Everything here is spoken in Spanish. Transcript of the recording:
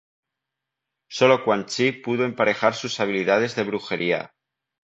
Sólo Quan Chi puede emparejar sus habilidades de brujería.